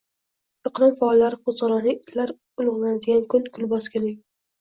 Iqlim faollari qo‘zg‘oloni, itlar ulug‘lanadigan kun, kul bosgan uy